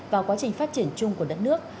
và quá trình phát triển chung của đất nước